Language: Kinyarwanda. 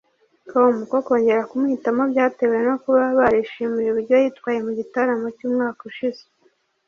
com ko kongera kumuhitamo byatewe no kuba barishimiye uburyo yitwaye mu gitaramo cy’umwaka ushize